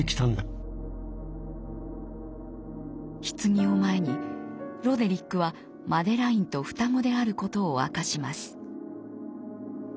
ひつぎを前にロデリックはマデラインと双子であることを明かします。